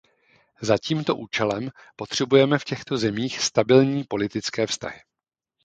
Za tímto účelem potřebujeme v těchto zemích stabilní politické vztahy.